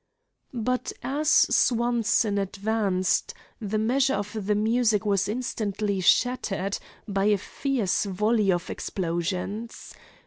But as Swanson advanced, the measure of the music was instantly shattered by a fierce volley of explosions.